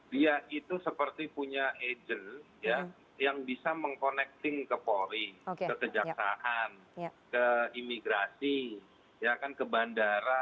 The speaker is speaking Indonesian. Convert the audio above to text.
dia itu seperti punya agent ya yang bisa mengkonekting ke poli ke kejaksaan ke imigrasi ya kan ke bandara